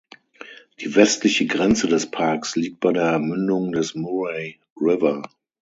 Die westliche Grenze des Parks liegt bei der Mündung des Murray River.